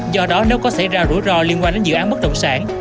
do đó nếu có xảy ra rủi ro liên quan đến dự án bất động sản